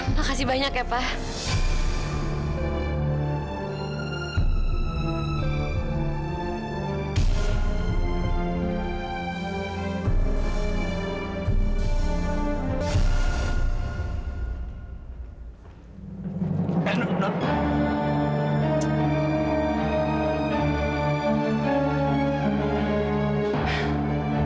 makasih banyak ya pak